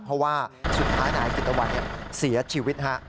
เพราะว่าสุดท้ายนายกิตตะวันเสียชีวิต